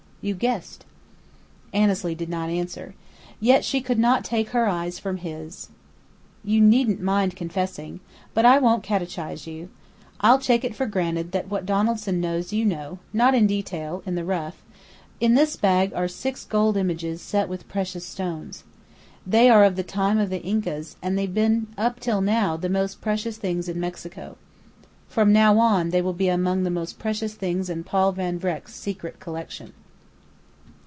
You guessed." Annesley did not answer. Yet she could not take her eyes from his. "You needn't mind confessing. But I won't catechize you. I'll take it for granted that what Donaldson knows you know not in detail, in the rough.... In this bag are six gold images set with precious stones. They are of the time of the Incas, and they've been up till now the most precious things in Mexico. From now on they will be among the most precious things in Paul Van Vreck's secret collection.